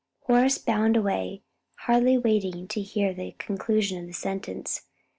Horace bounded away, hardly waiting to hear the conclusion of the sentence.